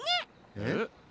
えっ？